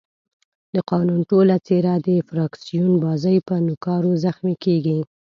د قانون ټوله څېره د فراکسیون بازۍ په نوکارو زخمي کېږي.